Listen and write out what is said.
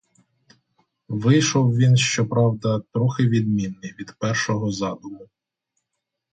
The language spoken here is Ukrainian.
Вийшов він, щоправда, трохи відмінний від першого задуму.